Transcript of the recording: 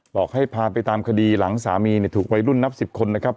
บอกให้พาไปตามคดีหลังสามีเนี่ยถูกไว้รุ่นนับสิบคนนะครับ